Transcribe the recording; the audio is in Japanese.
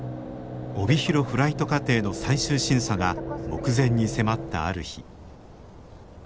帯広フライト課程の最終審査が目前に迫ったある日。